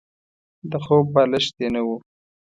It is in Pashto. د خوب بالښت يې نه وو.